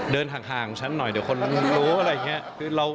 เดินห่างฉันหน่อยเดี๋ยวคนรู้อะไรอย่างนี้